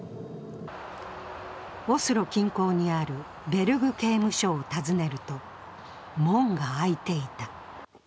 オスロ近郊にあるベルグ刑務所を訪ねると、門が開いていた。